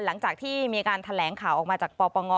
หลังจากที่มีการแถลงข่าวออกมาจากปปง